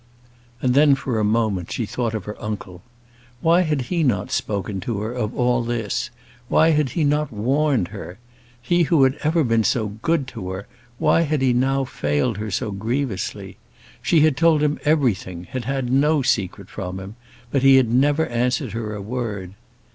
And then, for a moment, she thought of her uncle. Why had he not spoken to her of all this? Why had he not warned her? He who had ever been so good to her, why had he now failed her so grievously? She had told him everything, had had no secret from him; but he had never answered her a word.